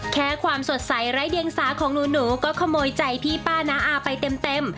แค่ความสดใสไร้เดียงสาของหนูก็ขโมยใจพี่ป้าน้าอาไปเต็ม